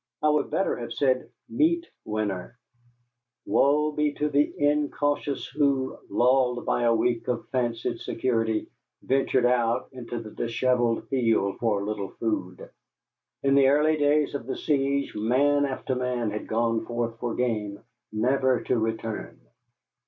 I would better have said meatwinners. Woe be to the incautious who, lulled by a week of fancied security, ventured out into the dishevelled field for a little food! In the early days of the siege man after man had gone forth for game, never to return.